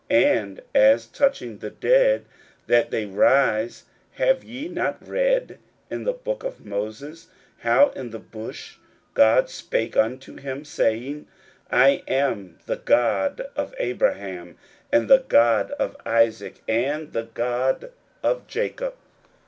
41:012:026 And as touching the dead, that they rise: have ye not read in the book of Moses, how in the bush God spake unto him, saying, I am the God of Abraham, and the God of Isaac, and the God of Jacob?